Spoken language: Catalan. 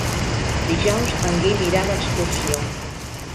Dijous en Guim irà d'excursió.